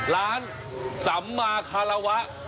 ร้านสัมมาคาราวะ